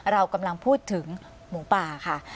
เรากำลังพูดถึงหมูป่าค่ะ